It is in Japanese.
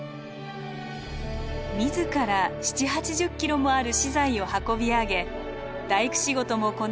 自ら７０８０ｋｇもある資材を運び上げ大工仕事もこなして山小屋を改築。